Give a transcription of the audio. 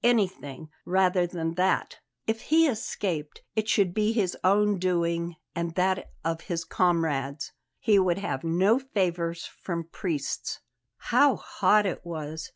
Anything rather than that! If he escaped, it should be his own doing and that of his comrades; he would have no favours from priests. How hot it was!